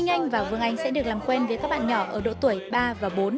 anh vương anh sẽ được làm quen với các bạn nhỏ ở độ tuổi ba và bốn